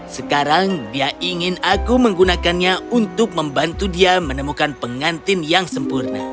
sekarang dia ingin aku menggunakannya untuk membantu dia menemukan pengantin yang sempurna